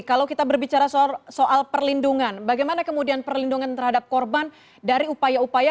kalau kita berbicara soal perlindungan bagaimana kemudian perlindungan terhadap korban dari upaya upaya